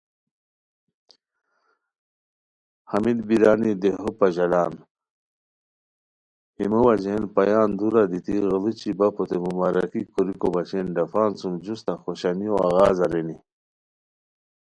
ہمیت بیرانی دیہو پژالان ہیمو وجہین پایان دُورہ دیتی غیڑوچی بپوتے بمبارکی کوریکو بچین ڈفان سُم جوستہ خوشانیو آغاز ارینی